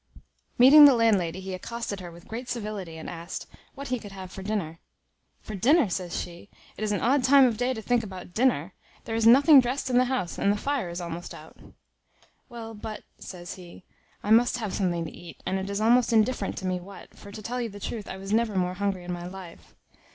Meeting the landlady, he accosted her with great civility, and asked, "What he could have for dinner?" "For dinner!" says she; "it is an odd time a day to think about dinner. There is nothing drest in the house, and the fire is almost out." "Well, but," says he, "I must have something to eat, and it is almost indifferent to me what; for, to tell you the truth, I was never more hungry in my life."